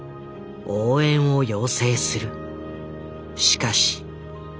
しかし。